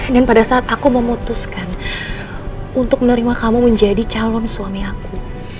dan pada saat aku memutuskan untuk menerima kamu menjadi calon suami aku